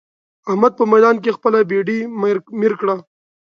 احمد په ميدان کې خپله بېډۍ مير کړه.